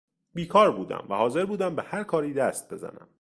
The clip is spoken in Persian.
بیکار بودم و حاضر بودم به هرکاری دست بزنم.